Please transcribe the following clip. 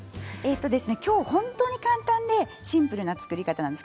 今日は本当に簡単でシンプルな作り方です。